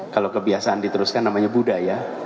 kalau kebiasaan diteruskan namanya budaya